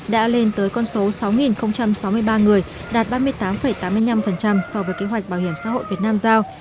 đã lên tới con số sáu sáu mươi ba người đạt ba mươi tám tám mươi năm so với kế hoạch bảo hiểm xã hội việt nam giao